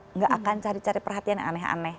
nggak akan cari cari perhatian yang aneh aneh